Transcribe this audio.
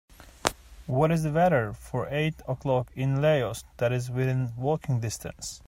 What is the weather for eight o'clock in Laos that is within walking distance